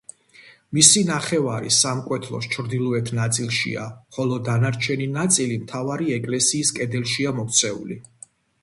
მისი ნახევარი სამკვეთლოს ჩრდილოეთ ნაწილშია, ხოლო დანარჩენი ნაწილი მთავარი ეკლესიის კედელშია მოქცეული.